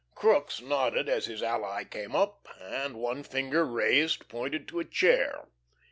Crookes nodded as his ally came up, and one finger raised, pointed to a chair.